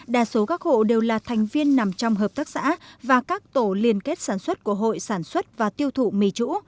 đa số các hộ đều là thành viên nằm trong hợp tác xã và các tổ liên kết sản xuất của hội sản xuất và tiêu thụ mì chủ